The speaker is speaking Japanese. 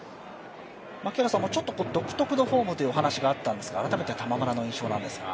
ちょっと独特のフォームというお話があったんですが、改めて玉村の印象を。